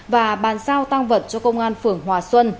và bàn giao tăng vật cho công an phường hòa xuân